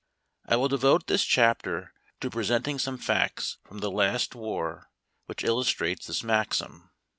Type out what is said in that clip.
I will devote this chapter to presenting some facts from the last war which illus trate this maxim.